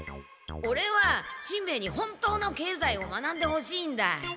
オレはしんべヱに本当の経済を学んでほしいんだ。